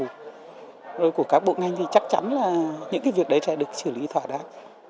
rồi của các bộ ngành thì chắc chắn là những cái việc đấy sẽ được xử lý thỏa đáng